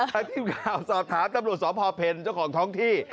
แล้วทีมข่าวสอบถามตำรวจสพเพลเจ้าของท้องที่